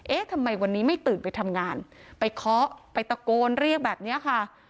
เอ๊ะทำไมวันนี้ไม่ตื่นไปทำงานไปเคาะไปตะโกนเรียกแบบนี้ค่ะ